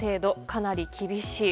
かなり厳しい。